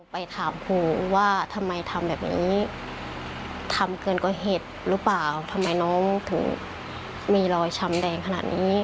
ไปถามครูว่าทำไมทำแบบนี้ทำเกินกว่าเหตุหรือเปล่าทำไมน้องถึงมีรอยช้ำแดงขนาดนี้